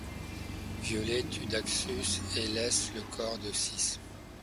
Violet tue Daxus et laisse le corps de Six.